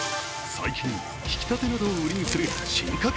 最近、ひきたてなどを売りにする進化系